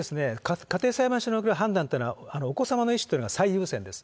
家庭裁判所による判断というのは、お子様の意思というのは、最優先です。